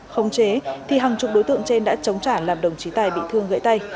không chế thì hàng chục đối tượng trên đã chống trả làm đồng chí tài bị thương gãy tay